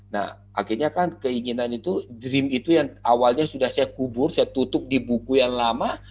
nah akhirnya kan keinginan itu dream itu yang awalnya sudah saya kubur saya tutup di buku yang lama